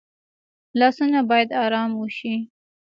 لاسونه باید آرام وشي